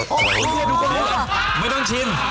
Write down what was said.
โอ้โฮแค่ดูก็รู้ไม่ต้องชิม